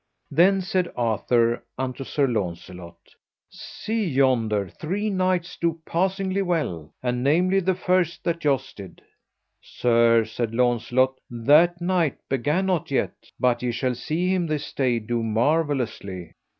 Then said Sir Arthur unto Sir Launcelot: See yonder three knights do passingly well, and namely the first that jousted. Sir, said Launcelot, that knight began not yet but ye shall see him this day do marvellously.